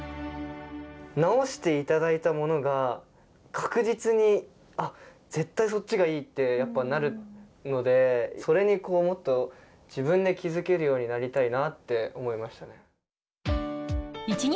直して頂いたものが確実に絶対そっちがいいってなるのでそれにもっと自分で気付けるようになりたいなって思いましたね。